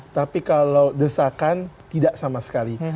tapi kalau desakan tidak sama sekali